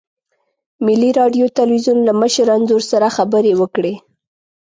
ملي راډیو تلویزیون له مشر انځور سره خبرې وکړې.